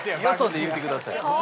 よそで言うてください。